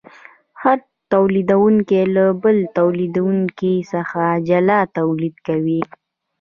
هر تولیدونکی له بل تولیدونکي څخه جلا تولید کوي